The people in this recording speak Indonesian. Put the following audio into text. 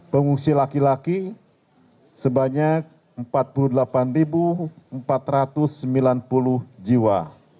pengungsi laki laki sebanyak empat puluh delapan empat ratus sembilan puluh jiwa